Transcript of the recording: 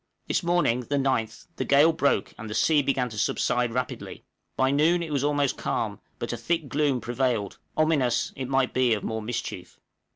This morning, the 9th, the gale broke, and the sea began to subside rapidly; by noon it was almost calm, but a thick gloom prevailed, ominous, it might be, of more mischief.